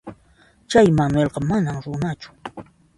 Chay Manuelqa manam runachu.